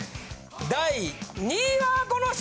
第２位はこの人！